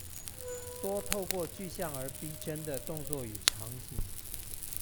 多透過具象而逼真的動作與場景